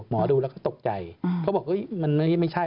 หมอดูแล้วก็ตกใจเขาบอกมันไม่ใช่